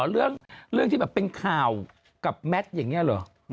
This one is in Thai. เรื่องที่แบบเป็นข่าวกับแมทอย่างนี้เหรอ